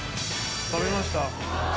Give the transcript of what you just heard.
食べました。